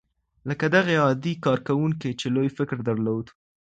لکه دغې عادي کارکوونکې چې لوی فکر درلود.